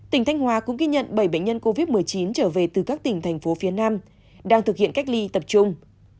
tỉnh thanh hóa cũng ghi nhận bảy bệnh nhân covid một mươi chín trở về từ các tỉnh thành phố phía nam đang thực hiện cách ly tập trung